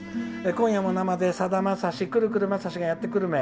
「今夜も生でさだまさし来る来るまさしがやって久留米！」。